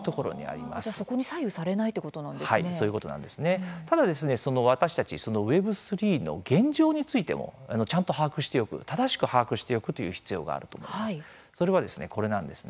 そこに左右されないただ私たちそのＷｅｂ３の現状についてもちゃんと把握しておく正しく把握しておくという必要があるということになります。